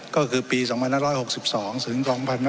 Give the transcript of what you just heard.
ก็คือปี๒๕๖๒ถึง๒๕๖๒